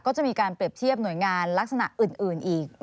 ก็จะมีการเปรียบเทียบหน่วยงานลักษณะอื่นอีก